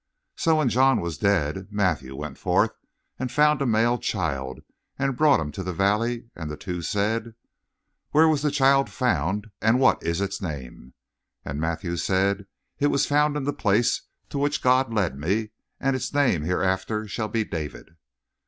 "So when John was dead Matthew went forth and found a male child and brought him to the valley and the two said: 'Where was the child found and what is its name?' And Matthew said: 'It was found in the place to which God led me and its name hereafter shall be David.'